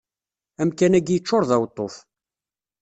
Amkan-agi yeččur d aweṭṭuf.